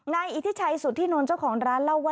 ในอิทธิชัยสุดที่โน้นเจ้าของร้านเล่าว่า